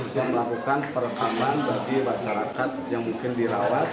yang melakukan perekaman bagi masyarakat yang mungkin dirawat